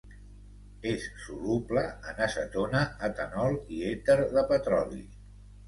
És soluble en acetona, etanol i èter de petroli.